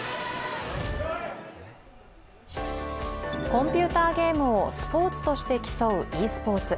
コンピューターゲームをスポーツとして競うｅスポーツ。